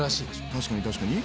確かに確かに。